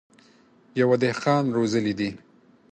يوه دهقان روزلي دي.